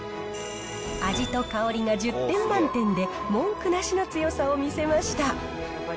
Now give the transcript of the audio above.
味と香りが１０点満点で文句なしの強さを見せました。